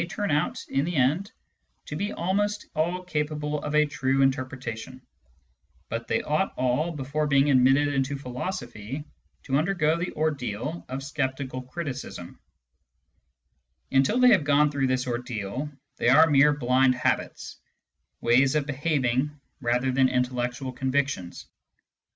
Digitized by Google ON THE NOTION OF CAUSE 239 out, in the end, to be almost all capable of a true inter pretation ; but they ought all, before being admitted into philosophy, to undergo the ordeal of sceptical criticism. Until they have gone through this ordeal, they are mere blind habits, ways of behaving rather than intellectual convictions.